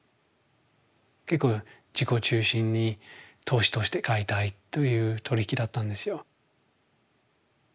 結構自己中心に投資として買いたいという取り引きだったんですよ。